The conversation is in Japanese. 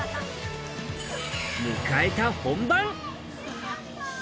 迎えた本番。